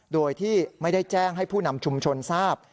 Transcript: โดยที่ไม่ได้แจ้งให้ผู้นำชุมชนทราบ